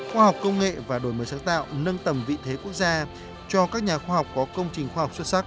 khoa học công nghệ và đổi mới sáng tạo nâng tầm vị thế quốc gia cho các nhà khoa học có công trình khoa học xuất sắc